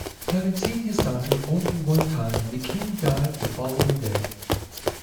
Having seen his daughter only one time, the King died the following day.